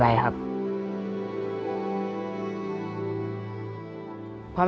พอแม่ล้มป่วยผมก็ต้องไปทำงานมากขึ้นครับ